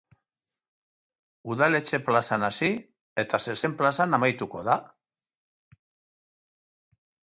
Udaletxe plazan hasi eta zezen-plazan amaituko da.